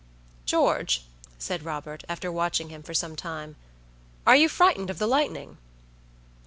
"George," said Robert, after watching him for some time, "are you frightened of the lightning?"